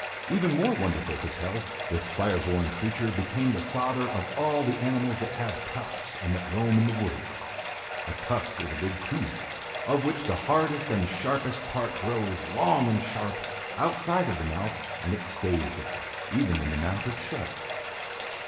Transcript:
Even more wonderful to tell, this fire born creature became the father of all the animals that have tusks and that roam in the woods. A tusk is a big tooth, of which the hardest and sharpest part grows, long and sharp, outside of the mouth and it stays there, even when the mouth is shut.